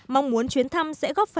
mong muốn chuyến thăm sẽ góp phần thúc đẩy